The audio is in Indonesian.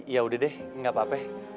yaudah deh gapapa